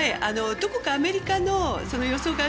どこかアメリカの予想